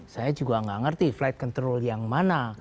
saya juga nggak ngerti flight control yang mana